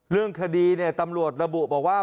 เรื่องคดีเนี่ยตำรวจระบุบอกว่า